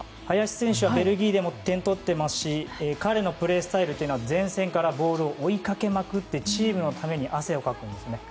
林選手はベルギーでも点を取っていますし彼のプレースタイルは前線からボールを追いかけまくってチームのために汗をかくんです。